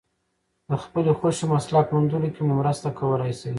د خپلې خوښې مسلک موندلو کې مو مرسته کولای شي.